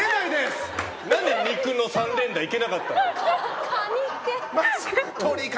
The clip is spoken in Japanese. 何で、肉の３連打いけなかったんですか。